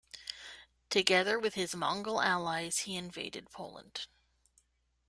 Together with his Mongol allies, he invaded Poland.